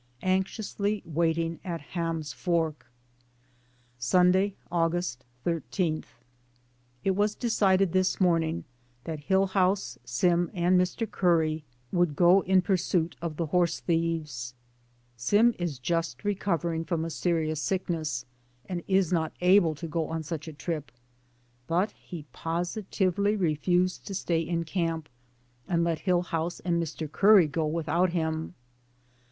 ANXIOUSLY WAITING AT HAm's FORK. Sunday, August 13. It was decided this morning that Hill DAYS ON THE ROAD. 215 house, Sim and Mr. Curry would go in pur suit of the horse thieves. Sim is just recov ering from a severe sickness, and is not able to go on such a trip, but he positively refused to stay in camp and let Hillhouse and Mr. Curry go without him.